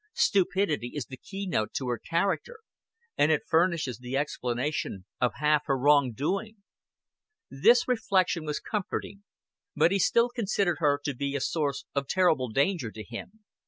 Stupidity is the key note to her character and it furnishes the explanation of half her wrong doing." This reflection was comforting, but he still considered her to be a source of terrible danger to him.